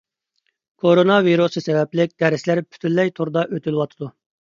كورونا ۋىرۇسى سەۋەبلىك دەرسلەر پۈتۈنلەي توردا ئۆتۈلۈۋاتىدۇ.